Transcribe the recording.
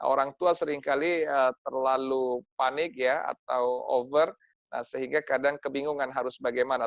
orang tua seringkali terlalu panik ya atau over sehingga kadang kebingungan harus bagaimana